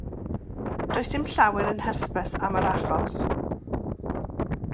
Does dim llawer yn hysbys am yr achos.